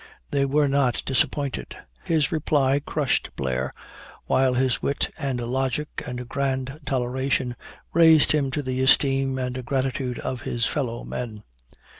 They were not disappointed. His reply crushed Blair; while his wit and logic and grand toleration raised him to the esteem and gratitude of his fellow men.